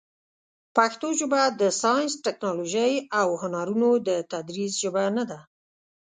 پښتو ژبه د ساینس، ټکنالوژۍ، او هنرونو د تدریس ژبه نه ده.